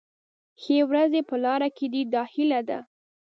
ښې ورځې په لاره کې دي دا هیله ده.